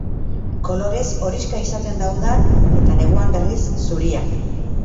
Kolorez horixka izaten da udan, eta neguan, berriz, zuria.